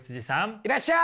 いらっしゃい。